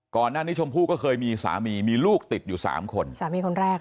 ก่อนหน้านี้ชมพู่ก็เคยมีสามีมีลูกติดอยู่สามคน